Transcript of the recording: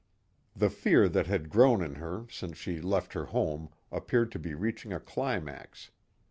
The fear that had grown in her since she left her home appeared to be reaching a climax.